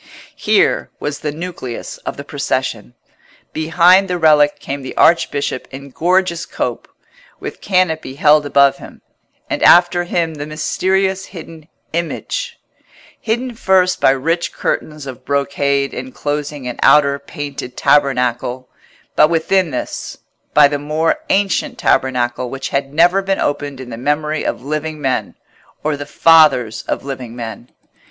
Here was the nucleus of the procession. Behind the relic came the archbishop in gorgeous cope, with canopy held above him; and after him the mysterious hidden Image—hidden first by rich curtains of brocade enclosing an outer painted tabernacle, but within this, by the more ancient tabernacle which had never been opened in the memory of living men, or the fathers of living men.